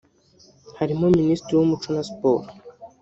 harimo Minisitiri w’umuco na siporo